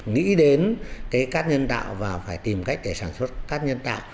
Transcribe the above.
nghĩ đến cái cát nhân tạo và phải tìm cách để sản xuất cát nhân tạo